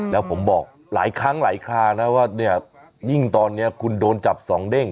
แล้วผมบอกหลายครั้งหลายครานะว่าเนี่ยยิ่งตอนนี้คุณโดนจับสองเด้ง